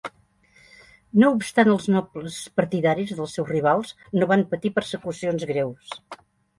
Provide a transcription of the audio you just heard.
No obstant els nobles partidaris dels seus rivals no van patir persecucions greus.